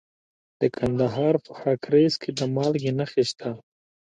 د کندهار په خاکریز کې د مالګې نښې شته.